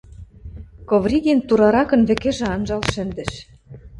Ковригин тураракын вӹкӹжӹ анжал шӹндӹш.